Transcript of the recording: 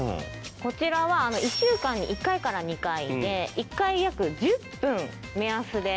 こちらは１週間に１回から２回で１回約１０分目安で。